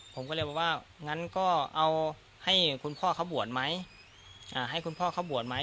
ผมก็เลยบอกว่างั้นก็เอาให้คุณพ่อเขาบวชไหมให้คุณพ่อเขาบวชไหม